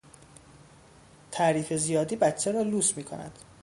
تعریف زیادی بچه را لوس می کند.